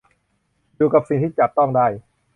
อยู่กับสิ่งที่จับต้องได้